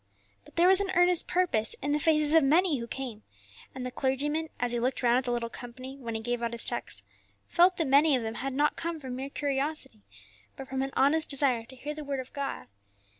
But there was an earnest purpose in the faces of many who came, and the clergyman, as he looked round at the little company when he gave out his text, felt that many of them had not come from mere curiosity, but from an honest desire to hear the Word of God.